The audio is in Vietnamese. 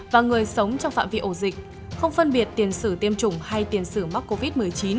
và người sống trong phạm vi ổ dịch không phân biệt tiền sử tiêm chủng hay tiền sử mắc covid một mươi chín